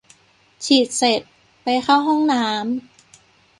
ฉีดเสร็จ ไปเข้าห้องน้ำ